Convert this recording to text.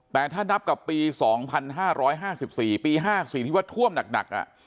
แต่ถ้านับกับปี๒๕๕๔ปี๕๔ที่ว่าท่วมหนัก